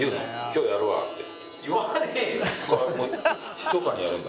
「今日やるわ」って。